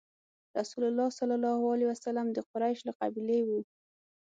رسول الله ﷺ د قریش له قبیلې وو.